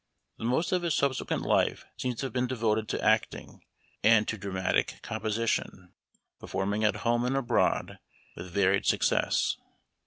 The most of his sub sequent life seems to have been devoted to acting and to dra matic composition, performing at home and abroad with varied success.